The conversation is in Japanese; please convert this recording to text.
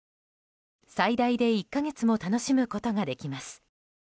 最大１か月も楽しむことができます。